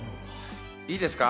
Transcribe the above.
いいですか？